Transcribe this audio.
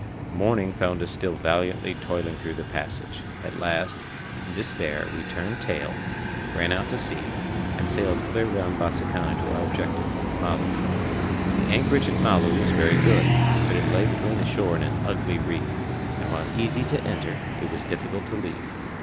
Morning found us still vainly toiling through the passage. At last, in despair, we turned tail, ran out to sea, and sailed clear round Bassakanna to our objective, Malu. The anchorage at Malu was very good, but it lay between the shore and an ugly reef, and while easy to enter, it was difficult to leave.